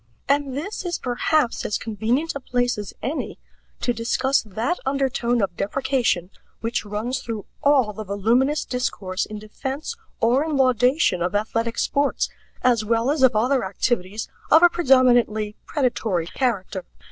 And this is perhaps as convenient a place as any to discuss that undertone of deprecation which runs through all the voluminous discourse in defense or in laudation of athletic sports, as well as of other activities of a predominantly predatory character.